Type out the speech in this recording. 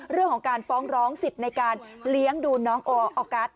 เรื่องของการฟ้องร้องสิทธิ์ในการเลี้ยงดูน้องออกัส